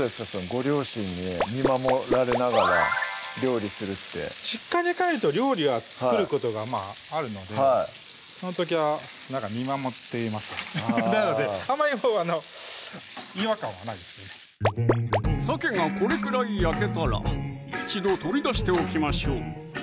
ご両親に見守られながら料理するって実家に帰ると料理は作ることがあるのでその時は見守っていますねなのであまり違和感はないですけどねさけがこれくらい焼けたら一度取り出しておきましょう